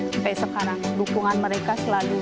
sampai sekarang dukungan mereka selalu